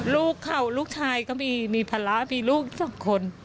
ลูกเขาลูกชายก็มีมีภาระมีลูกสองคน